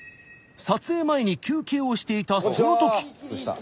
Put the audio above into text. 撮影前に休憩をしていたそのとき。